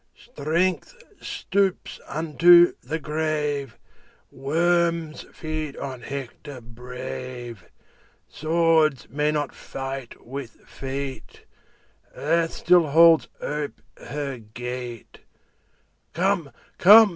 Strength stoops unto the grave, Worms feed on Hector brave; Swords may not fight with fate; Earth still holds ope her gate; 25 Come, come!